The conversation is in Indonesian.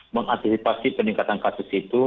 mengantisipasi peningkatan kasus itu